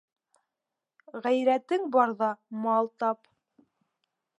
Ғәйрәтең барҙа мал тап.